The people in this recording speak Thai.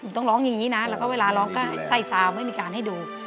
ต้องร้องอย่างนี้นะแล้วก็เวลาร้องก็ใส่ซาวไม่มีการให้ดู